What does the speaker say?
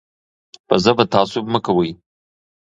په ژبه تعصب مه کوئ.